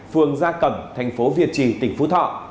phường gia cẩm tp việt trì tp thọ